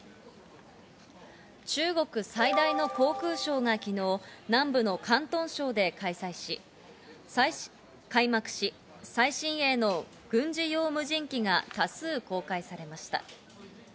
中国最大の航空ショーが昨日、南部の広東省で開幕し、最新鋭の軍事用無人機が多数公開されました。